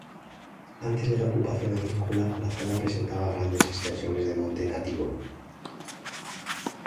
Antes de la ocupación agrícola la zona presentaba grandes extensiones de monte nativo.